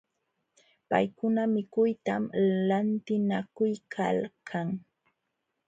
Paykuna mikuytam lantinakuykalkan.